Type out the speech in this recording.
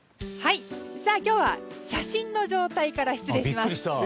今日は写真の状態から失礼します。